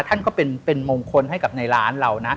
ท่านก็เป็นมงคลให้กับในร้านเรานะ